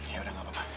yaudah gak apa apa